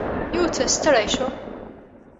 یو څه ستړې شوم.